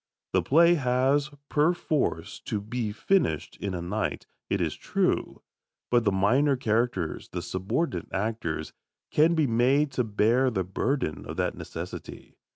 The play has perforce to be finished in a night, it is true, but the minor characters, the subordinate actors, can be made to bear the burden of that necessity.